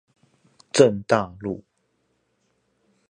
正大路